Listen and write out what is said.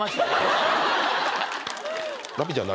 ラッピーちゃん